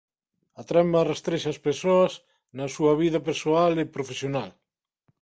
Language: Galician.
A trama rastrexa ás persoas na súa vida persoal e profesional.